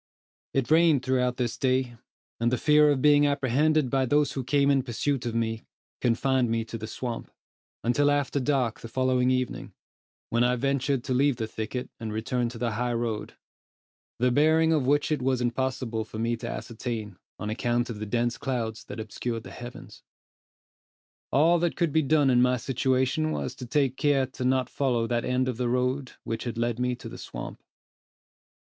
It rained throughout this day, and the fear of being apprehended by those who came in pursuit of me, confined me to the swamp, until after dark the following evening, when I ventured to leave the thicket, and return to the high road, the bearing of which it was impossible for me to ascertain, on account of the dense clouds that obscured the heavens. All that could be done in my situation, was to take care not to follow that end of the road which had led me to the swamp.